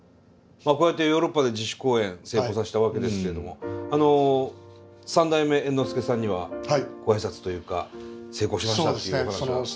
こうやってヨーロッパで自主公演成功させたわけですけれども三代目猿之助さんにはご挨拶というか成功しましたっていう話は。